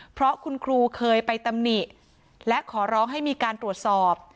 เพราะคุณครูเคยไปตำหนิและขอร้องให้มีการตรวจสอบ